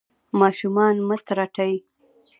ماشومان مه ترټئ.